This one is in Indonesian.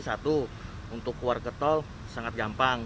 satu untuk keluar ke tol sangat gampang